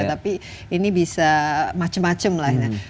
tapi ini bisa macem macem lah ya